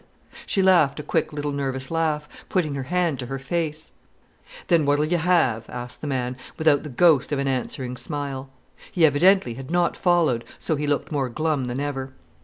She laughed a quick little nervous laugh, putting her hand to her face. "Then what'll you have?" asked the man, without the ghost of an answering smile. He evidently had not followed, so he looked more glum than ever.